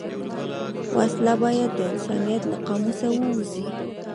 وسله باید د انسانیت له قاموسه ووځي